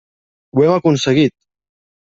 Ho hem aconseguit.